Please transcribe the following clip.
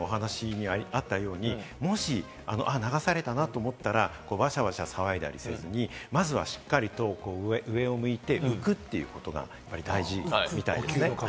今の槙野さんのお話にあったように、もし流されたなと思ったら、ワシャワシャ騒いだりせずに、まずはしっかりと上を向いて浮くということが大事なんですよね。